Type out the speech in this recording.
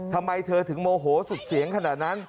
ทำไมเธอถึงโมโหสุดเสียงขนาดนั้น